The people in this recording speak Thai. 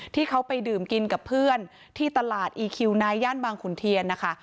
ที่เขาไปดื่มกินกับเพื่อนที่ตลาดอีคิวนายย่านบางขุนเทียนนะคะ